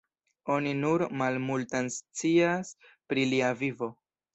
Oni nur malmultan scias pri lia vivo.